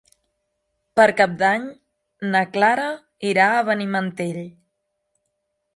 Per Cap d'Any na Clara irà a Benimantell.